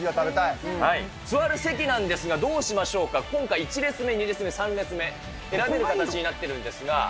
座る席なんですが、どうしましょうか、今回、１列目、２列目、３列目選べる形になっているんですが。